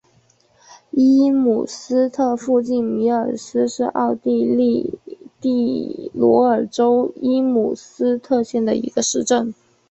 伊姆斯特附近米尔斯是奥地利蒂罗尔州伊姆斯特县的一个市镇。